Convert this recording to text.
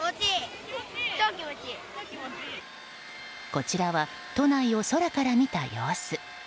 こちらは都内を空から見た様子。